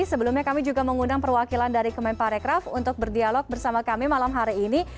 sebelumnya kami juga mengundang perwakilan dari kemenparekraf untuk berdialog bersama kami malam hari ini